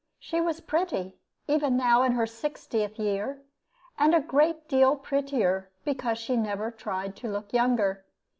She was pretty, even now in her sixtieth year, and a great deal prettier because she never tried to look younger.